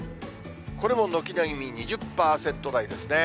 これも軒並み２０％台ですね。